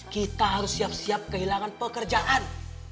kita harus siap siap kehilangan pekerjaan